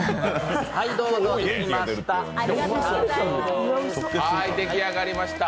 はいどうぞ、できました。